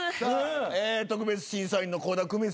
特別審査員の倖田來未さん。